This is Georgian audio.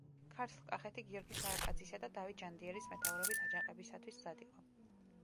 ქართლ-კახეთი გიორგი სააკაძისა და დავით ჯანდიერის მეთაურობით აჯანყებისათვის მზად იყო.